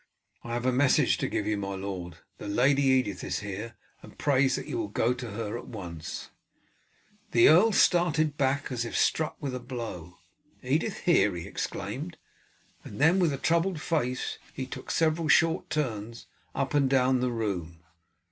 "I have a message to give you, my lord. The Lady Edith is here, and prays that you will go to her at once." The earl started as if struck with a blow. "Edith here!" he exclaimed, and then with a troubled face he took several short turns up and down the room.